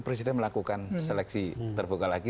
presiden melakukan seleksi terbuka lagi